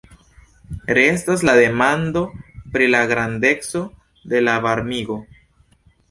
Restas la demando pri la grandeco de la varmigo.